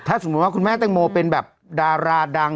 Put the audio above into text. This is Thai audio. ถ้าสมมุติว่าคุณแม่แตงโมเป็นแบบดาราดัง